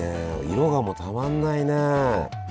色がもうたまんないねえ。